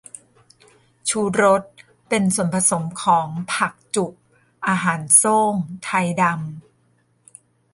ชูรส เป็นส่วนผสมของ ผักจุบ อาหารโซ่ง ไทดำ